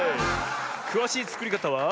くわしいつくりかたは。